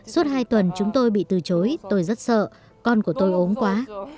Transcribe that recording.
suốt hai tuần chúng tôi bị từ chối tôi rất sợ con của tôi ốm quá